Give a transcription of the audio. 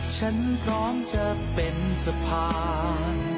ฉันพร้อมจะเป็นสะพาน